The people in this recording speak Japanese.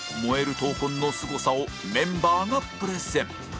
闘魂のすごさをメンバーがプレゼン